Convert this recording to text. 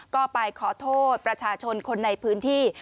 ก็ไปขอโทษประชาชนคนในพื้นที่